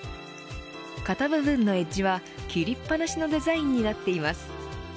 肩部分のエッジは切りっぱなしのデザインになっています。